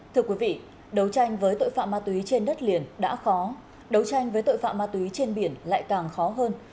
thưa quý vị đấu tranh với tội phạm ma túy trên đất liền đã khó đấu tranh với tội phạm ma túy trên biển lại càng khó hơn